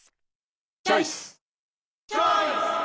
チョイス！